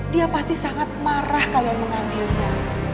dia pasti sangat marah kalau mengambilnya